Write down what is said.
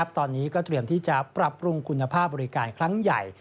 ตอนนี้ก็เตรียมที่จะปรับปรุงคุณภาพบริการครั้งใหญ่